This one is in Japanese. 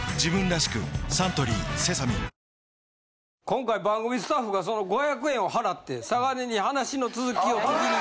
今回番組スタッフがその５００円を払ってさがねに話の続きを聞きに。